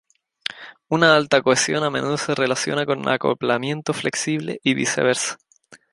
Una alta cohesión a menudo se relaciona con acoplamiento flexible, y viceversa.